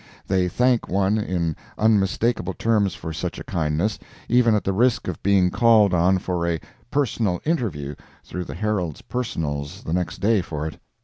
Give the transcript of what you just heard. They thank one in unmistakable terms for such a kindness, even at the risk of being called on for a "personal interview" through the Herald's "Personals" the next day for it.